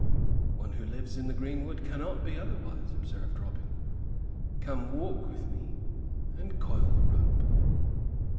"One who lives in the greenwood cannot be otherwise," observed Robin. "Come, walk with me, and coil the rope."